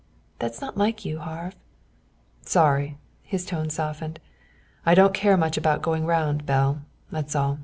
"That's not like you, Harve." "Sorry." His tone softened. "I don't care much about going round, Belle. That's all.